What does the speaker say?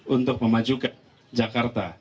untuk memajukan jakarta